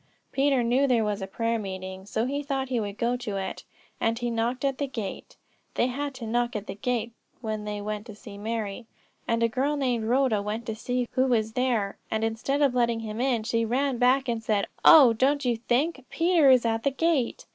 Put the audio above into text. Peter knew there was a prayer meeting, so he thought he would go to it; and he knocked at the gate (they had to knock at the gate when they went to see Mary), and a girl named Rhoda went to see who was there; and instead of letting him in, she ran back and said: 'Oh, don't you think, Peter is at the gate.'